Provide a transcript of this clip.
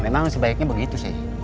memang sebaiknya begitu sih